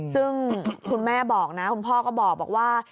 ซึ่งคุณแม่บอกนะคุณพ่อก็บอกว่า